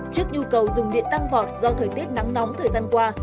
trước nhu cầu dùng điện tăng vọt do thời tiết nắng nóng thời gian qua